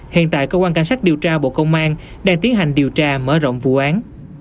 hiện tại cơ quan cảnh sát điều tra bộ công an đang tiến hành điều tra mở rộng vụ án